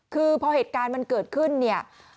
คือพอเหตุการณ์มันเกิดขึ้นเนี่ย